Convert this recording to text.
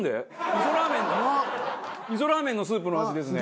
味噌ラーメンのスープの味ですね。